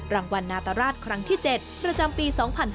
รางวัลนาตราชครั้งที่๗ประจำปี๒๕๕๙